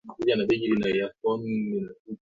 Maamuzi na vitendo vya Jacob vilikwenda kwa kasi sana